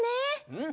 うん。